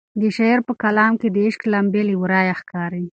د شاعر په کلام کې د عشق لمبې له ورایه ښکاري.